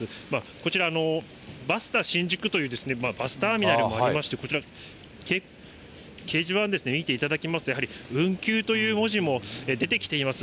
こちら、バスタ新宿というバスターミナルもありまして、こちら、掲示板見ていただきますと、やはり運休という文字も出てきています。